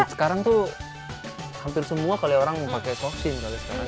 sekarang tuh hampir semua kali orang pakai kossing kali sekarang